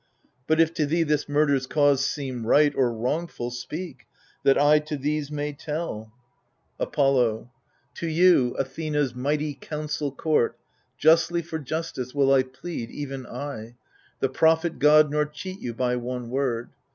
But if to thee this murder's cause seem right Or wrongful, speak — that I to these may tell. i64 THE FURIES Apollo To you, Athena's mighty council court. Justly for justice will I plead, even I, The prophet god, nor cheat you by one word.